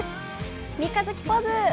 三日月ポーズ！